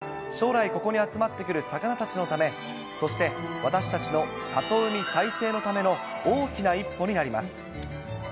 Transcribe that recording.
少しずつではありますが、将来ここに集まってくる魚たちのため、そして私たちの里海再生のための大きな一歩になります。